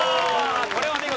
これはお見事。